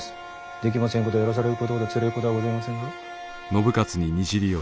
できもせんことをやらされることほどつれえことはございませんぞ。